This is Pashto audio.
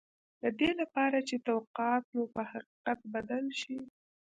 د دې لپاره چې توقعات مو په حقيقت بدل شي.